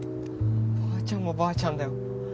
ばあちゃんもばあちゃんだよ。